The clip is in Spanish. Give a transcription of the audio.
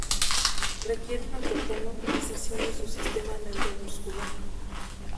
Requiere una total movilización de su sistema neuromuscular.